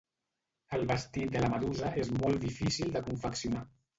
El vestit de la medusa és molt difícil de confeccionar.